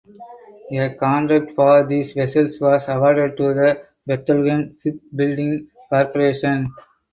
A contract for these vessels was awarded to the Bethlehem Shipbuilding Corporation.